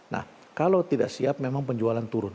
nah kalau tidak siap memang penjualan turun